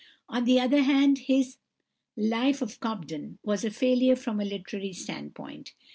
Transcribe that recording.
On the other hand his "Life of Cobden" was a failure from a literary standpoint.